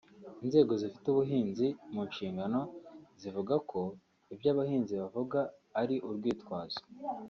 Inzego zifite ubuhinzi mu nshingano zivuga ko ibyo abahinzi bavuga ari urwitwazo